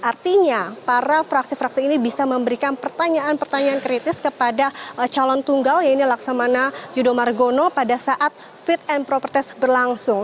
artinya para fraksi fraksi ini bisa memberikan pertanyaan pertanyaan kritis kepada calon tunggal yaitu laksamana yudho margono pada saat fit and proper test berlangsung